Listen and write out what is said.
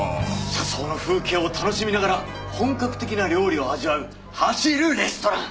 車窓の風景を楽しみながら本格的な料理を味わう走るレストラン。